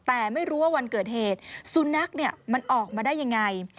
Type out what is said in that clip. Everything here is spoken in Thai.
แต่ไม่รู้ว่าวันเกิดเหตุสุนัขมันออกมาได้ยังไง